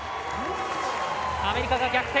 アメリカが逆転。